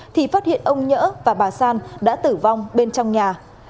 thì phát hiện ông nhỡ và bà san đã tử vong bên trong nhà